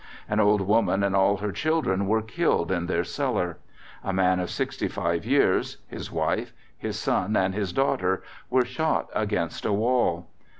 An old woman and all her children were killed in their cellar. A man of 65 years, his wife, his son and his daughter were shot against a wall.